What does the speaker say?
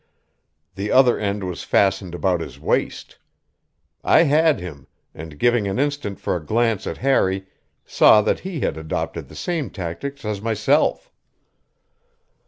The other end was fastened about his waist; I had him, and giving an instant for a glance at Harry, saw that he had adopted the same tactics as myself.